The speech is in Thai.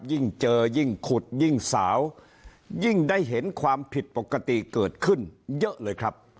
ยิ่งเจอยิ่งขุดยิ่งสาวยิ่งได้เห็นความผิดปกติเกิดขึ้นเยอะเลยครับ